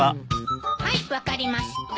はい分かりました。